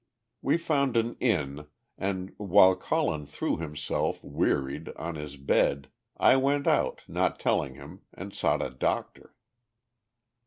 We found an inn, and while Colin threw himself, wearied, on his bed, I went out, not telling him, and sought a doctor.